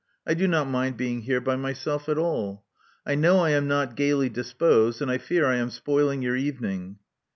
I do not mind being here by myself at all. I know I am not gaily disposed; and I fear I am spoiling your evening."